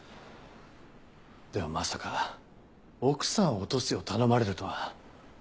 でもまさか奥さんを落とすよう頼まれるとは。